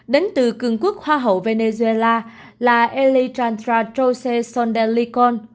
đến từ cường quốc hoa hậu venezuela là alejandra jose sondalicon